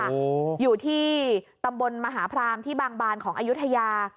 โอ้โหอยู่ที่ตำบลมหาพรามที่บางบานของอายุทยา